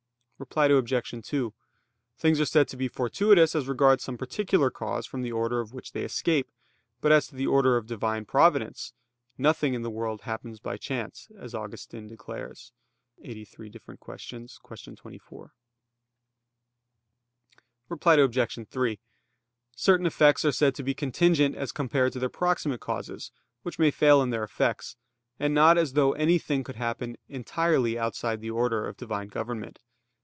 Reply Obj. 2: Things are said to be fortuitous as regards some particular cause from the order of which they escape. But as to the order of Divine providence, "nothing in the world happens by chance," as Augustine declares (QQ. 83, qu. 24). Reply Obj. 3: Certain effects are said to be contingent as compared to their proximate causes, which may fail in their effects; and not as though anything could happen entirely outside the order of Divine government.